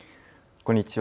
こんにちは。